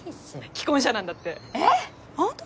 既婚者なんだってえっ⁉ほんと？